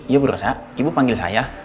ya berusaha ibu panggil saya